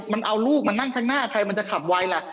มันเอาลูกมานั่งข้างหน้าใครมันจะขับไวล่ะ